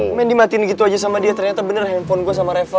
cuma main dimatiin gitu aja sama dia ternyata bener handphone gue sama reva